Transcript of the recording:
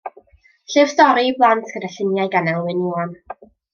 Llyfr stori i blant gyda lluniau gan Elwyn Ioan.